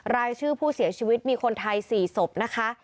รายชื่อผู้เสียชีวิตมีคนไทย๔ศพนะคะ